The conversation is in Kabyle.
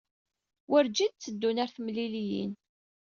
Werǧin tteddun ɣer temliliyin.